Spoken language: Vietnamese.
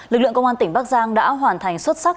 lực lượng công an tỉnh bắc giang đã hoàn thành xuất sắc